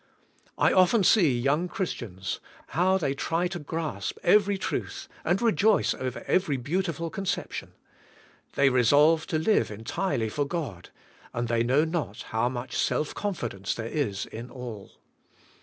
I often see young Christians, how they try to grasp every truth and rejoice over every beautiful conception. They resolve to live entirely for God, and they know not how much self confidence there is in all.